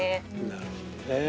なるほどね。